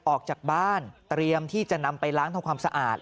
ออกจากบ้านเตรียมที่จะนำไปล้างทำความสะอาด